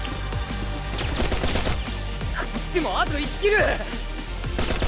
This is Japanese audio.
こっちもあと１キル！